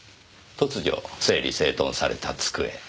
突如整理整頓された机。